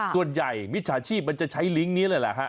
ส่วนใหญ่มิจฉาชีพมันจะใช้ลิ้งค์นี้เลยแหละค่ะ